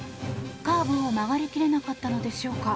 カーブを曲がり切れなかったのでしょうか。